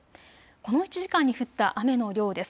この１時間に降った雨の量です。